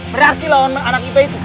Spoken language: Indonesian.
bereaksi lawan anak iba itu